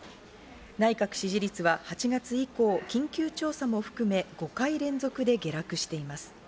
内閣支持率は８月以降、緊急調査も含め５回連続で下落しています。